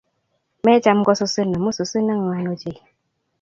Mecham kosusin amu susin nengwan ochei